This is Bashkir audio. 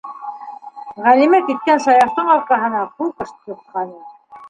Ғәлимә киткән Саяфтың арҡаһына ҡуҡыш тоҫҡаны.